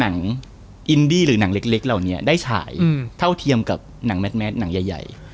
หนังอินดี้หรือหนังเล็กเหล่านี้ได้ฉายเท่าเทียมกับหนังแมทหนังใหญ่